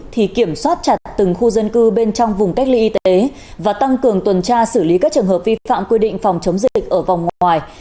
thì kiểm soát chặt từng khu dân cư bên trong vùng cách ly y tế và tăng cường tuần tra xử lý các trường hợp vi phạm quy định phòng chống dịch ở vòng ngoài